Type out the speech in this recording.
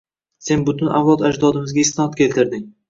Sen butun avlod-ajdodimizga isnod keltirding!